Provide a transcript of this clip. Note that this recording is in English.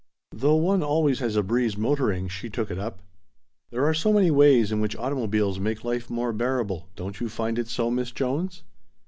"Though one always has a breeze motoring," she took it up. "There are so many ways in which automobiles make life more bearable, don't you find it so, Miss Jones?"